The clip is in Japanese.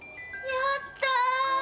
やった。